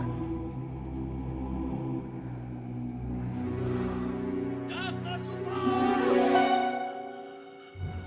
jangan lupa cak asupa